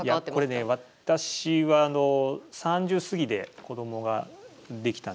これね、私は３０過ぎで子どもができたんですよね。